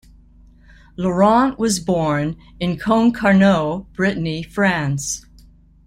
Laurent was born in Concarneau, Brittany France.